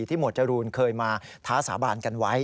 หมวดจรูนเคยมาท้าสาบานกันไว้